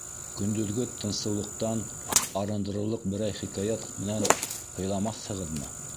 Көндөҙгө тынсыулыҡтан арындырырлыҡ берәй хикәйәт менән һыйламаҫһығыҙмы?